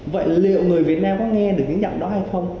vậy liệu người việt nam có nghe được những giọng đó hay không